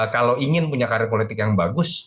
kalau ingin punya karir politik yang bagus